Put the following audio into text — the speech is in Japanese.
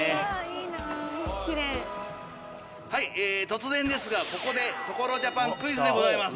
はい突然ですがここで「所ＪＡＰＡＮ」クイズでございます。